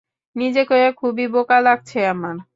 নিজেকে খুবই বোকা লাগছে আমার।